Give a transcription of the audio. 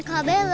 aku mau lihat